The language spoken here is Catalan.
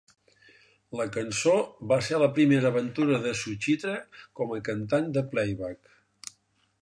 La cançó va ser la primera aventura de Suchitra com a cantant de playback.